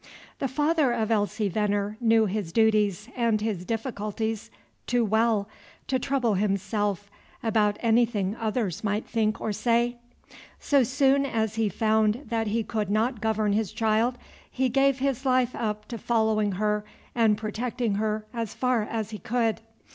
The father of Elsie Veneer knew his duties and his difficulties too well to trouble himself about anything others might think or say. So soon as he found that he could not govern his child, he gave his life up to following her and protecting her as far as he could.